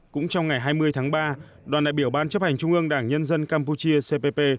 cũng trong ngày hai mươi tháng ba đoàn đại biểu ban chấp hành trung ương đảng nhân dân campuchia cpp